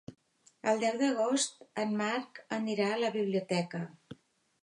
El deu d'agost en Marc anirà a la biblioteca.